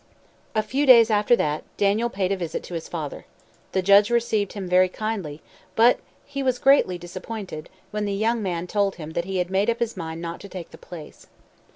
A few days after that, Daniel paid a visit to his father. The judge received him very kindly, but he was greatly disappointed when the young man told him that he had made up his mind not to take the place.